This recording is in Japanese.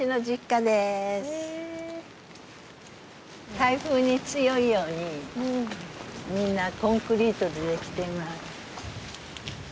台風に強いようにみんなコンクリートでできています。